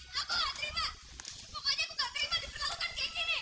pokoknya aku gak terima diperlakukan kayak gini